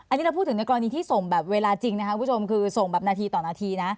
อันนี้เราพูดถึงในกรณีที่ส่งแบบเวลาจริงนะครับคุณผู้ชมคือส่งแบบนาทีต่อนาทีนะ